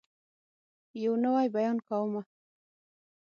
يو نوی بيان کومه